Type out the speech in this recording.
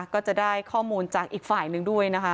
ก็จะได้ข้อมูลจากอีกฝ่ายหนึ่งด้วยนะคะ